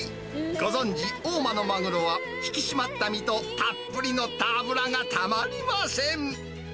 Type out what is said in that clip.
ご存じ、大間のマグロは引き締まった身とたっぷり乗った脂がたまりません。